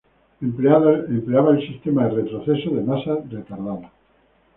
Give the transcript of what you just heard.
Empleaba el sistema de retroceso de masas retardado.